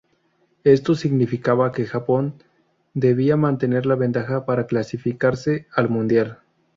Esto significaba que Japón debía mantener la ventaja para clasificarse al mundial.